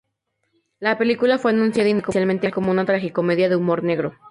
La película fue anunciada inicialmente como una tragicomedia de humor negro.